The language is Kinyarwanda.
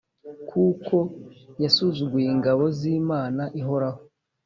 kuko yasuzuguye ingabo z’Imana ihoraho.